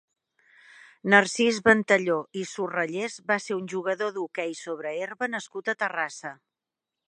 Narcís Ventalló i Surrallés va ser un jugador d'hoquei sobre herba nascut a Terrassa.